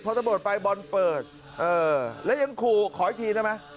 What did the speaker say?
พอตำรวจไปบอลเปิดและยังขออีกทีได้ไหม